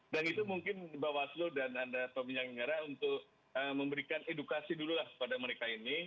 dan itu mungkin mbak waslo dan anda pak minjang ngerah untuk memberikan edukasi dulu lah pada mereka ini